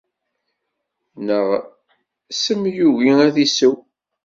Neɣ ssem yugi ad t-isew.